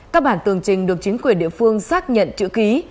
các bản tường trình được chính quyền địa phương xác nhận chữ ký